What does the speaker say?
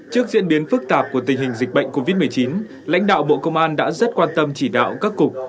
trước diễn biến phức tạp của tình hình dịch bệnh covid một mươi chín lãnh đạo bộ công an đã rất quan tâm chỉ đạo các cục